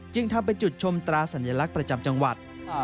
ทำเป็นจุดชมตราสัญลักษณ์ประจำจังหวัด